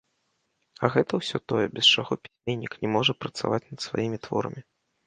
А гэта ўсё тое, без чаго пісьменнік не можа працаваць над сваімі творамі.